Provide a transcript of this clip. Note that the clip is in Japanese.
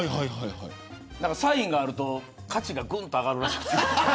サインがあると価値がぐんと上がるらしくて。